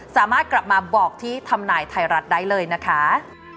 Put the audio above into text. สามารถกลับมาบอกที่ทำนายไทยรัฐได้เลยนะคะ